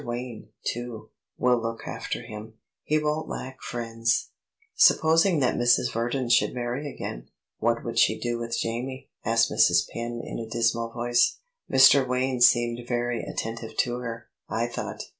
Wayne, too, will look after him; he won't lack friends." "Supposing that Mrs. Verdon should marry again, what would she do with Jamie?" asked Mrs. Penn in a dismal voice. "Mr. Wayne seemed very attentive to her, I thought."